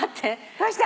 どうした？